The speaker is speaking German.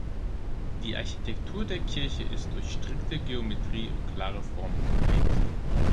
Die Architektur der Kirche ist durch strikte Geometrie und klare Formen geprägt.